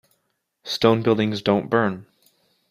Stone buildings don't burn.